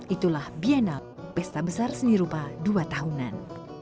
itulah bienal pesta besar seni rupa dua tahunan